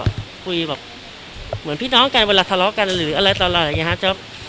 ก็คุยแบบเหมือนพี่น้องกันเวลาทะเลาะกันหรืออะไรตลอดอย่างนี้ครับ